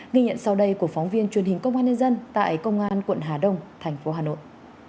ghi nhận sau đây của phóng viên truyền hình công an nhân dân tại công an quận hà đông thành phố hà nội